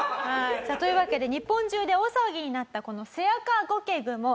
さあというわけで日本中で大騒ぎになったこのセアカゴケグモ